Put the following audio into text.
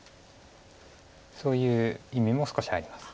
そういう意味も少しあります。